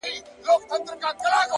o خو له دې بې شرفۍ سره په جنګ یم؛